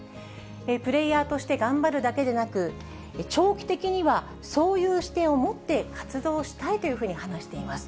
プレーヤーとして頑張るだけでなく、長期的にはそういう視点を持って活動したいというふうに話しています。